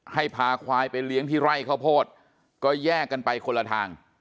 ให้พาควายไปเลี้ยงที่ไร่ข้าวโพดก็แยกกันไปคนละทาง